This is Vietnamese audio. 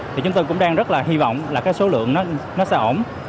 thì chúng tôi cũng đang rất là hy vọng là cái số lượng nó sẽ ổn